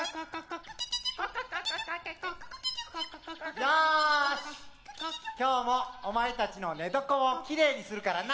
よし今日もお前たちの寝床をきれいにするからな。